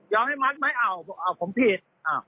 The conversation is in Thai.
ย้อมให้มัดไหมเอ่าผมผิด